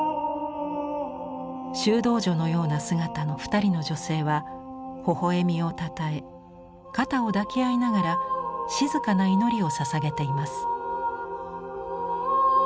修道女のような姿の二人の女性はほほえみをたたえ肩を抱き合いながら静かな祈りをささげています。